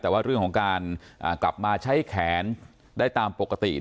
แต่ว่าเรื่องของการกลับมาใช้แขนได้ตามปกติ